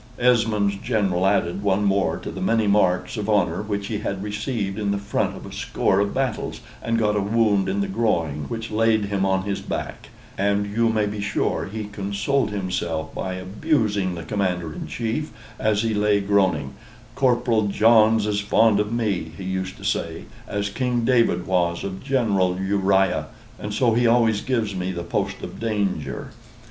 Esmond's General added one more to the many marks of honor which he had received in the front of a score of battles, and got a wound in the groin, which laid him on his back; and you may be sure he consoled himself by abusing the Commander in Chief, as he lay groaning, "Corporal John's as fond of me," he used to say, "as King David was of General Uriah; and so he always gives me the post of danger."